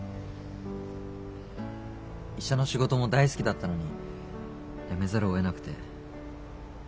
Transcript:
医者の仕事も大好きだったのに辞めざるをえなくて。